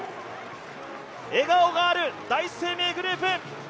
笑顔がある第一生命グループ。